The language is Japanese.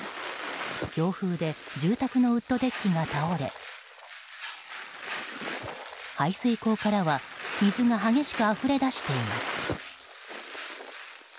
強風で住宅のウッドデッキが倒れ排水溝からは水が激しくあふれ出しています。